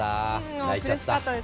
泣いちゃった。